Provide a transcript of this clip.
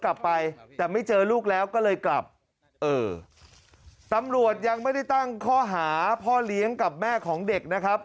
กลับไปแต่ไม่เจอลูกแล้วก็เลยกลับเออตำรวจยังไม่ได้ตั้งข้อหาพ่อเลี้ยงกับแม่ของเด็กนะครับ